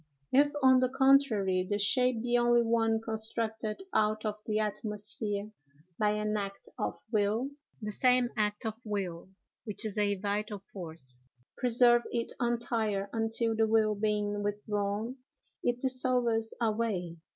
If, on the contrary, the shape be only one constructed out of the atmosphere by an act of will, the same act of will, which is a vital force, will preserve it entire, until, the will being withdrawn, it dissolves away.